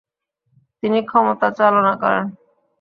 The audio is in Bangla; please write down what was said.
তিনি ক্ষমতা চালনা করেন।